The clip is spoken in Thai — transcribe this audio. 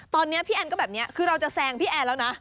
ตอนนี้พี่แอนก็แบบนี้คือเราจะแซงพี่แอนแล้วนะ